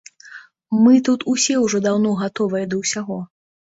Мы тут усе ўжо даўно гатовыя да ўсяго.